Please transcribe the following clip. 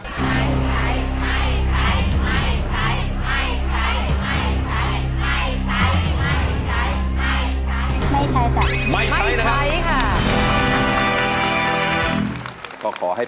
ไม่ใช้ไม่ใช้ไม่ใช้ไม่ใช้ไม่ใช้ไม่ใช้ไม่ใช้